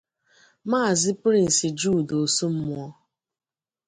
Maazị Prince Jude Osumuoh